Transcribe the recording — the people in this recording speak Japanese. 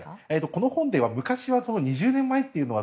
この本では昔、２０年前というのは